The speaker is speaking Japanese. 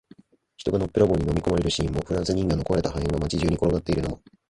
人がのっぺらぼうに飲み込まれるシーンも、フランス人形の壊れた破片が街中に転がっているのも、